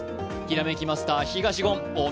ひらめきマスター東言お